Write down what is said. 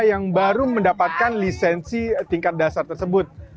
yang baru mendapatkan lisensi tingkat dasar tersebut